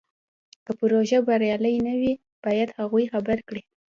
که پروژه بریالۍ نه وي باید هغوی خبر کړي.